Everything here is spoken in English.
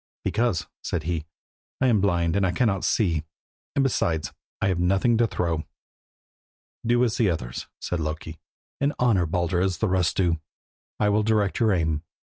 "Because," said he, "I am blind and cannot see him, and besides I have nothing to throw." "Do as the others," said Loki, "and honour Baldur as the rest do. I will direct your aim.